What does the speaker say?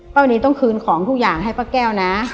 วันนี้ต้องคืนของทุกอย่างให้ป้าแก้วนะ